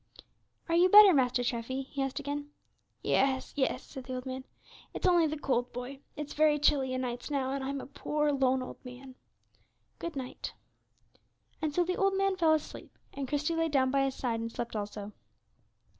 "Are you better, Master Treffy?" he asked again. "Yes, yes," said the old man; "it's only the cold, boy; it's very chilly o' nights now, and I'm a poor lone old man. Good night." And so the old man fell asleep, and Christie lay down by his side and slept also.